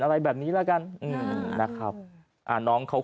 คุณธิชานุลภูริทัพธนกุลอายุ๓๔